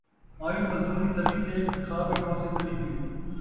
آئی مزدوری تلّی تے ، کھا ٻیٹھوسے ڳلی تے